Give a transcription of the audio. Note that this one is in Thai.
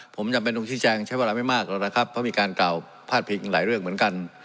ผมจะเป็นมุ่งชิ้นแจงใช้เวลาไม่มากแล้วเท่าไหร่ครับเพราะมีการเก่าพลาดพลิกหลายเรื่องเหมือนกัน